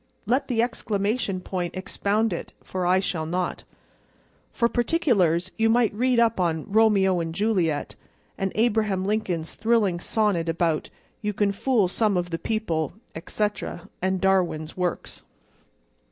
Let the exclamation point expound it, for I shall not. For particulars you might read up on "Romeo and Juliet," and Abraham Lincoln's thrilling sonnet about "You can fool some of the people," &c., and Darwin's works.